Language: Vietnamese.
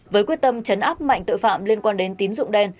với quyết tâm chấn áp mạnh tội phạm liên quan đến tín dụng đen